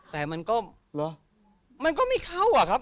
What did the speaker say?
แต่มันก็เหรอมันก็ไม่เข้าอ่ะครับ